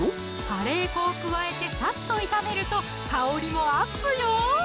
カレー粉を加えてさっと炒めると香りもアップよ！